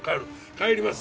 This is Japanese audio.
帰ります。